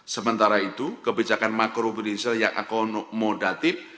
sementara itu kebijakan makro financial yang akomodatif